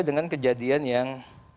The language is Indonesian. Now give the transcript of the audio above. dengan kejadian yang